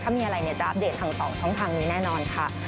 ถ้ามีอะไรเนี่ยจะอัปเดตทาง๒ช่องทางนี้แน่นอนค่ะ